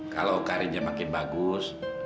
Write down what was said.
kalau karirnya makin bagus